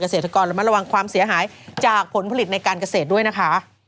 เกษตรกรระมัดระวังความเสียหายจากผลผลิตในการเกษตรด้วยนะคะ